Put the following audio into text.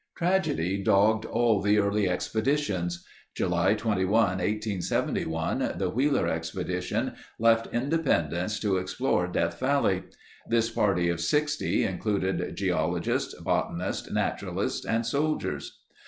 Tragedy dogged all the early expeditions. July 21, 1871 the Wheeler expedition left Independence to explore Death Valley. This party of 60 included geologists, botanists, naturalists, and soldiers.